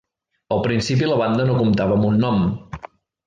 Al principi la banda no comptava amb un nom.